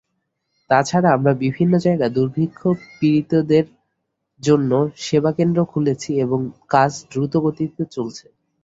তা ছাড়া আমরা বিভিন্ন জায়গায় দুর্ভিক্ষ-পীড়িতদের জন্য সেবাকেন্দ্র খুলেছি, এবং কাজ দ্রুতগতিতে চলছে।